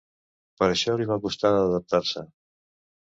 Per això li va costar d’adaptar-se.